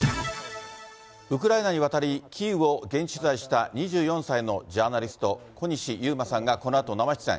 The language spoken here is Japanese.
ウクライナに渡り、キーウを現地取材した２４歳のジャーナリスト、小西遊馬さんがこのあと生出演。